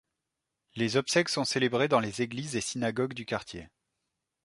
Les obsèques sont célébrées dans les églises et synagogue du quartier.